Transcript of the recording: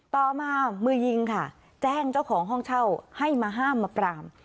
ต่อมามือยิงค่ะแจ้งเจ้าของห้องเช่าให้มาห้ามมาปราม